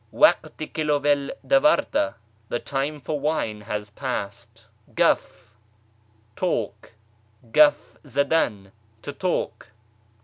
Wakt i kilowel davarta, the time for wine has passed. i Gaff, talk ; gaff^ zadan, to talk.